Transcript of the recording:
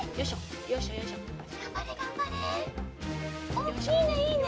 おっいいねいいね！